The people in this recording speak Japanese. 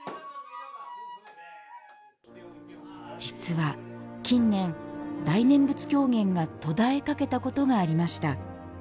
実は近年、大念仏狂言が途絶えかけたことがありました。